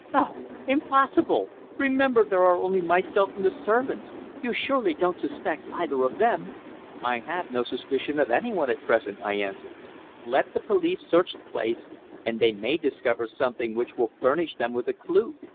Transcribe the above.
"Oh! Impossible! Remember there are only myself and the servants. You surely don't suspect either of them?" "I have no suspicion of anyone at present," I answered. "Let the police search the place, and they may discover something which will furnish them with a clue."